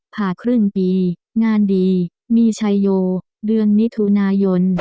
ผ่าครึ่งปีงานดีมีชัยโยเดือนมิถุนายน